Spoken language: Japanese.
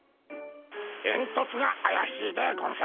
えんとつがあやしいでゴンス。